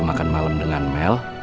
makan malam dengan mel